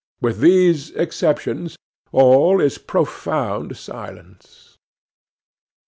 With these exceptions, all is profound silence.